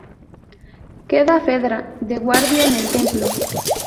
Queda Fedra de guardia en el templo.